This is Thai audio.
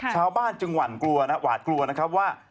ชาวบ้านจึงหวาดกลัวนะครับว่า